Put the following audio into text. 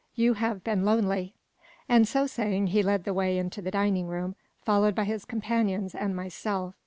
You have been lonely." And so saying, he led the way into the dining room, followed by his companions and myself.